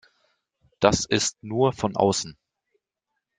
Das ist nur von außen.